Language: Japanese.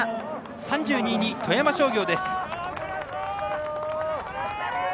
３２位に富山商業。